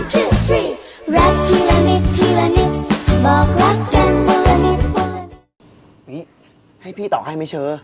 นี่ให้พี่ต่อให้ไหมเชอ